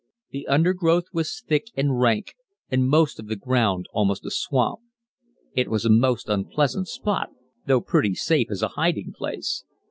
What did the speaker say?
The undergrowth was thick and rank, and most of the ground almost a swamp. It was a most unpleasant spot, though pretty safe as a hiding place.